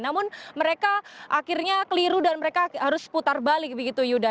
namun mereka akhirnya keliru dan mereka harus putar balik begitu yuda